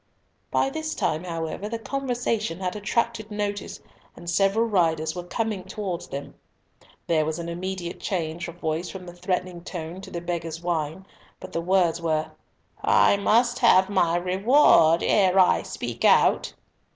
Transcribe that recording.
By this time, however, the conversation had attracted notice, and several riders were coming towards them. There was an immediate change of voice from the threatening tone to the beggar's whine; but the words were—"I must have my reward ere I speak out."